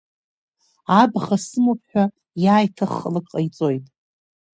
Абӷа сымоуп ҳәа иааиҭаххалак ҟаиҵоит.